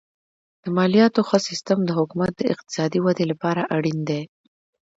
د مالیاتو ښه سیستم د حکومت د اقتصادي ودې لپاره اړین دی.